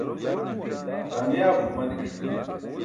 kamiyaab gumaniṣ